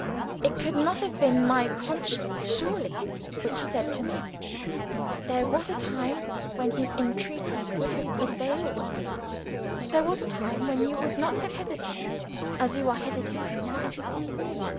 It could not have been my conscience surely which said to me 'There was a time when his entreaties would have prevailed on you; there was a time when you would not have hesitated as you are hesitating now?'